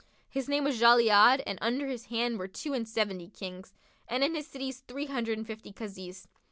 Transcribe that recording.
His name was Jalн'бd and under his hand were two and seventy Kings and in his cities three hundred and fifty Kazis.